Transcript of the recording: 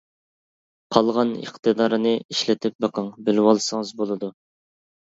قالغان ئىقتىدارنى ئىشلىتىپ بېقىڭ بىلىۋالسىڭىز بولىدۇ.